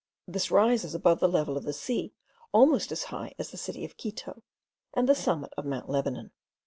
This rises above the level of the sea almost as high as the city of Quito, and the summit of Mount Lebanon.